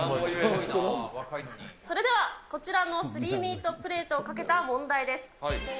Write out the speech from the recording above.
それではこちらの３ミートプレートを賭けた問題です。